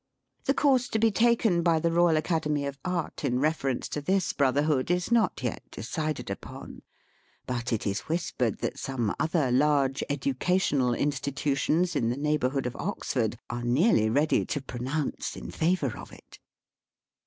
The course to be taken by the Eoyal Academy of Art in reference to this Brotherhood is not yet decided upon ; but it is whispered that some other large Educa tional Institutions in the neighbourhood of Oxford are nearly ready to pronounce in favour of it.